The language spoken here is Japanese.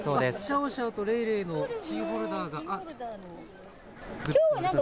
シャオシャオとレイレイのキーホルダーだ。